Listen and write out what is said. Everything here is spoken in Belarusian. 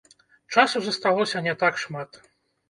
Часу засталося не так шмат.